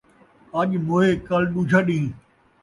اڄ موئے، کل ݙوجھا ݙینہہ